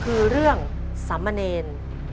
ก็คือเรื่องสำมะเนญ